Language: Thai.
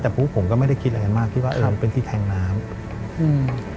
แต่ปุ๊บผมก็ไม่ได้คิดอะไรมากคิดว่าเออมันเป็นที่แทงน้ำอืม